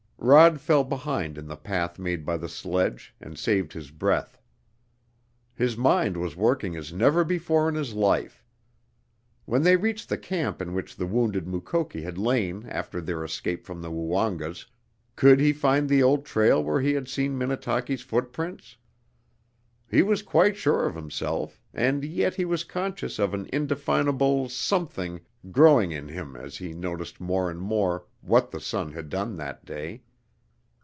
Rod fell behind in the path made by the sledge, and saved his breath. His mind was working as never before in his life. When they reached the camp in which the wounded Mukoki had lain after their escape from the Woongas, could he find the old trail where he had seen Minnetaki's footprints? He was quite sure of himself, and yet he was conscious of an indefinable something growing in him as he noticed more and more what the sun had done that day.